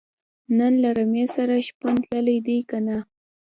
نن له رمې سره شپون تللی دی که نۀ